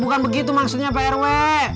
bukan begitu maksudnya pak rw